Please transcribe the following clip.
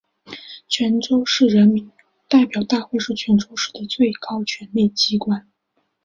泉州市人民代表大会是泉州市的最高权力机关。